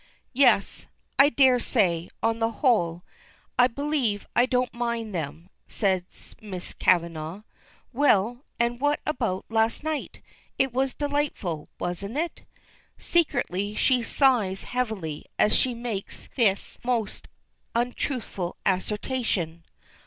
"Yes I dare say on the whole, I believe I don't mind them," says Miss Kavanagh. "Well and what about last night? It was delightful, wasn't it?" Secretly she sighs heavily, as she makes this most untruthful assertion.